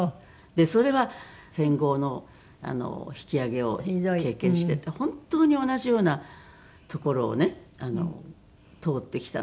でそれは戦後の引き揚げを経験していて本当に同じような所をね通ってきたので。